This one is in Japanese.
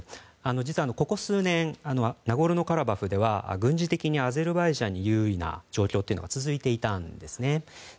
実は、ここ数年ナゴルノカラバフでは軍事的にアゼルバイジャンに有利な状況が続いていたんですね。